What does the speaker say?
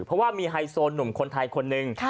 เพราะว่ามีไฮโซหนุ่มคนไทยคนหนึ่ง